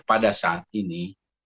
pada saat ini